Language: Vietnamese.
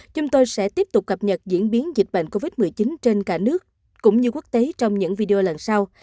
chúng tôi sẽ tiếp tục cập nhật diễn biến dịch bệnh covid một mươi chín trên cả nước cũng như quốc tế trong những video lần sau